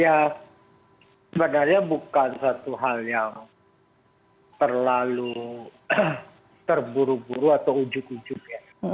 ya sebenarnya bukan satu hal yang terlalu terburu buru atau ujuk ujuk ya